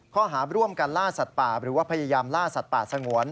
ข้อหาร่วมกันล่าสัตว์ป่าหรือว่าพยายามล่าสัตว์ป่าสงวน